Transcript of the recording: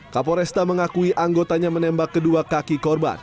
kapol resta mengakui anggotanya menembak kedua kaki korban